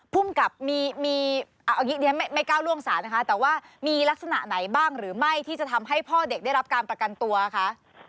ภูมิกับมีไม่ก้าวล่วงสารนะคะแต่ว่ามีลักษณะไหนบ้างหรือไม่ที่จะทำให้พ่อเด็กได้รับการประกันตัวค่ะ